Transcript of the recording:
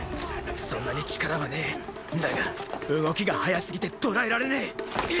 そんなに力はねェだが動きが速すぎてとらえられねェ！